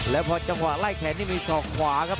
แล้วพอจังหวะไล่แขนนี่มีศอกขวาครับ